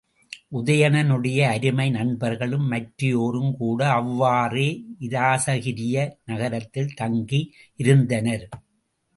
உதயணனுடைய அருமை நண்பர்களும் மற்றையோரும்கூட அவ்வாறே இராசகிரிய நகரத்தில் தங்கி இருந்தனர்.